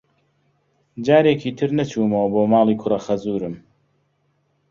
جارێکی تر نەچوومەوە بۆ ماڵی کوڕەخەزوورم.